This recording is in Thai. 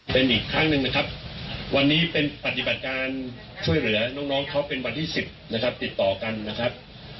เป็นอีกครั้งหนึ่งนะครับวันนี้เป็นปฏิบัติการช่วยเหลือน้องเขาเป็นวันที่๑๐นะครับติดต่อกันนะครับ